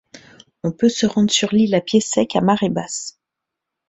On peut se rendre sur l'île à pied sec à marée basse.